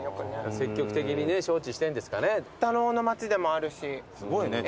積極的にね招致してんですかね。